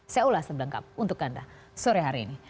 saya ulas lebih lengkap untuk anda sore hari ini